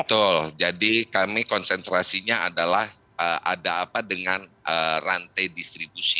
betul jadi kami konsentrasinya adalah ada apa dengan rantai distribusi